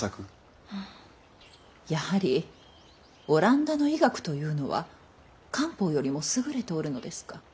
やはりオランダの医学というのは漢方よりも優れておるのですか。